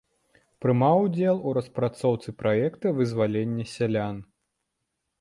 Прымаў удзел у распрацоўцы праекта вызвалення сялян.